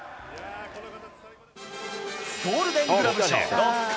ゴールデングラブ賞６回。